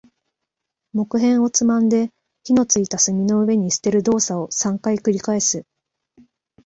木片をつまんで、火の付いた炭の上に捨てる動作を三回繰り返す。